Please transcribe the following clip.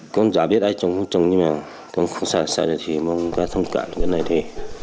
cũng giả biết ai trồng không trồng nhưng mà không xa xa rồi thì mong các thông cản cái này thì